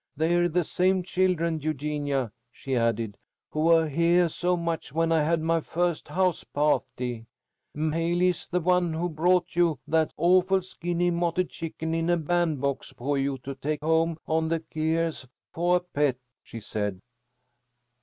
They're the same children, Eugenia," she added, "who were heah so much when I had my first house pahty. M'haley is the one who brought you that awful, skinny, mottled chicken in a bandbox for you to 'take home on the kyers fo' a pet,' she said."